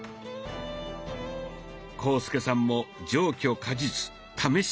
浩介さんも上虚下実試してみましょう。